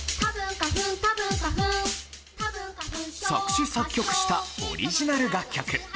作詞・作曲したオリジナル楽曲。